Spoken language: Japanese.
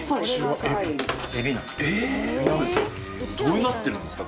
・どうなってるんですか？